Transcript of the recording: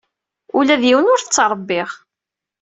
Ula d yiwen ur t-ttṛebbiɣ.